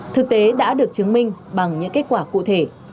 thực tế đã được chứng minh bằng những kết quả cụ thể